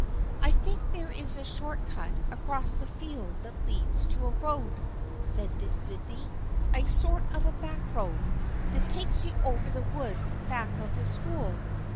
" I think there is a short cut across this field that leads to a road," said Sydney ;" a sort of a back road, that takes you over to the woods back of the school.